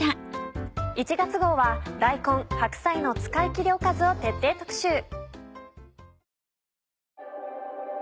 １月号は大根・白菜の使いきりおかずを徹底特集。